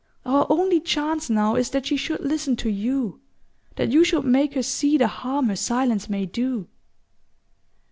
Our only chance now is that she should listen to you that you should make her see the harm her silence may do."